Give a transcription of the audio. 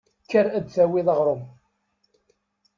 Kker ad d-tawiḍ aɣrum.